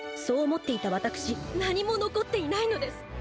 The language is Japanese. そう思っていたわたくし何も残っていないのです！